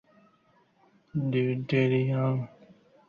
এটা হাইড্রোজেন এর একটি অত্যন্ত পরিবর্তনশীল আইসোটোপ।